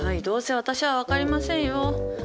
どうせ私は分かりませんよ。